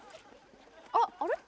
あっあれ？